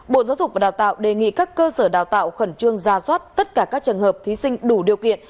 bộ giáo dục và đào tạo đề nghị các cơ sở đào tạo khẩn trương ra soát tất cả các trường hợp thí sinh đủ điều kiện